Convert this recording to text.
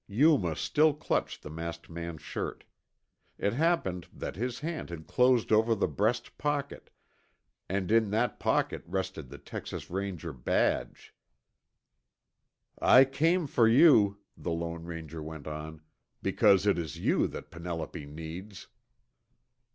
Yuma still clutched the masked man's shirt. It happened that his hand had closed over the breast pocket, and in that pocket rested the Texas Ranger badge. "I came for you," the Lone Ranger went on, "because it is you that Penelope needs."